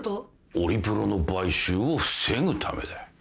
オリプロの買収を防ぐためだ。